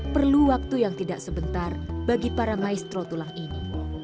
perlu waktu yang tidak sebentar bagi para maestro tulang ini